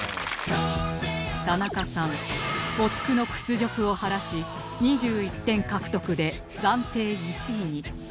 田中さん没句の屈辱を晴らし２１点獲得で暫定１位に